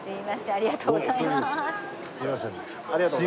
ありがとうございます。